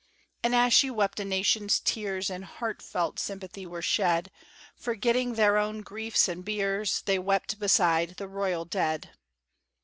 And as she wept a nation's tears In heartfelt sympathy were shed; Forgetting their own griefs and biers, They wept beside the royal dead.